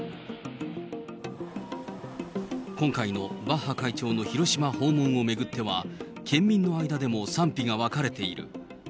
今回のバッハ会長の広島訪問を巡っては、県民の間でも賛否が分かれている。